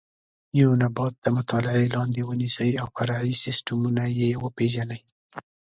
یو نبات د مطالعې لاندې ونیسئ او فرعي سیسټمونه یې وپېژنئ.